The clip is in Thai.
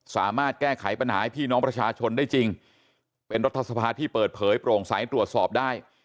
สามารถแก้ไขปัญหาให้พี่น้องประชาชนได้จริงเป็นรัฐสภาที่เปิดเผยโปร่งใสตรวจสอบได้